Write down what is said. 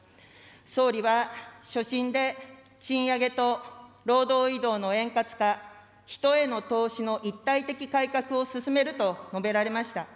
総理は、所信で賃上げと労働移動の円滑化、人への投資の一体的改革を進めると述べられました。